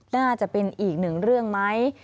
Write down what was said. น่าจะเป็นอีกหนึ่งเรื่องไหม